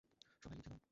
সবাই লিখে নাও।